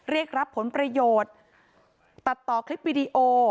เรียกรับผลประโยชน์ตัดต่อคลิปวิดีโอ